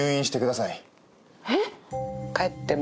えっ？